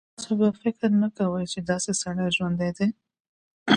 تاسو به فکر نه کوئ چې داسې سړی ژوندی دی.